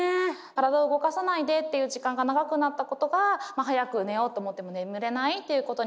体を動かさないでっていう時間が長くなったことが早く寝ようと思っても眠れないということにもつながっていると思いますし